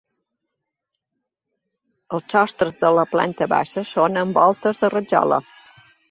Els sostres de la planta baixa són amb voltes de rajola.